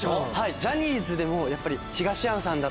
ジャニーズでもやっぱり。